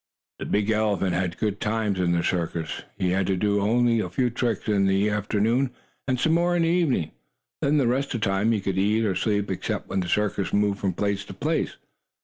The big elephant had good times in the circus. He had to do only a few tricks in the afternoon, and some more in the evening. The rest of the time he could eat or sleep, except when the circus moved from place to place.